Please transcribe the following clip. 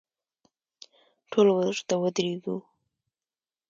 ټول ورته ودریدو.